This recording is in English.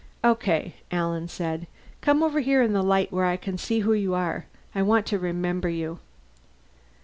"Okay," Alan said. "Come on over here in the light where I can see who you are. I want to remember you."